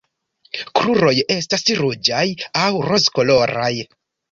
Kruroj estas ruĝaj aŭ rozkoloraj.